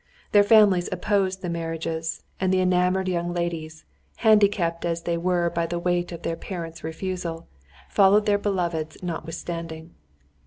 Their families opposed the marriages, and the enamoured young ladies, handicapped as they were by the weight of their parents' refusal, followed their beloveds notwithstanding.